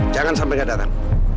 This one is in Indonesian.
jangan sampai gak datang